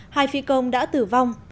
hai phi công đã tử vong